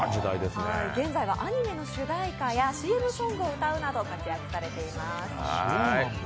現在はアニメの主題歌やＣＭソングを歌うなど活躍されています。